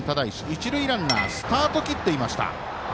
一塁ランナースタート切っていました。